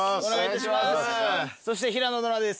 そして平野ノラです。